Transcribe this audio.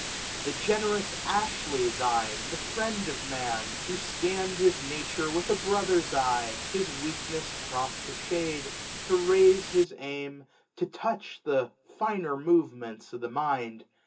1549 The generous Ashley thine, the friend of Man j Who scann'd his Nature with a brother's eye. His weakness prompt to shade, to raise his aim. To touch the finer movements of the mind.